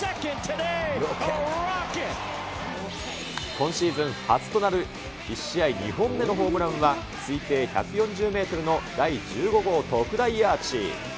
今シーズン初となる、１試合２本目のホームランは、推定１４０メートルの第１５号特大アーチ。